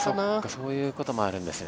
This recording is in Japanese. そういうこともあるんですね。